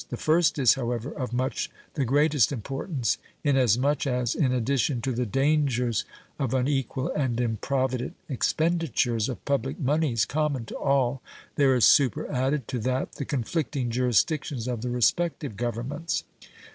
The first is, however, of much the greatest importance, in as much as, in addition to the dangers of unequal and improvident expenditures of public moneys common to all, there is super added to that the conflicting jurisdictions of the respective governments.